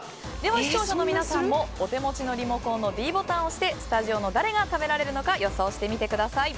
視聴者の皆さんもお手持ちのリモコンのｄボタンを押してスタジオの誰が食べられるのか予想してみてください。